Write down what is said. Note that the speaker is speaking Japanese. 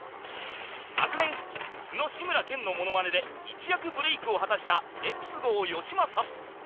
昨年素の志村けんのモノマネで一躍ブレークを果たしたレッツゴーよしまさ